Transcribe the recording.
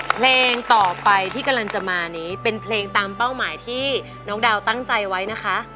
เพลงต่อไปที่กำลังจะมานี้เป็นเพลงตามเป้าหมายที่น้องดาวตั้งใจไว้นะคะ